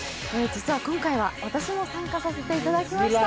実は今回は、私も参加させていただきました。